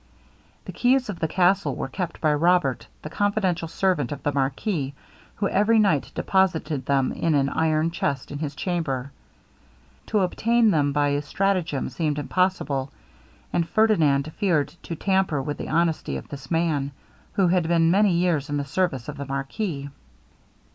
The keys of the castle were kept by Robert, the confidential servant of the marquis, who every night deposited them in an iron chest in his chamber. To obtain them by stratagem seemed impossible, and Ferdinand feared to tamper with the honesty of this man, who had been many years in the service of the marquis.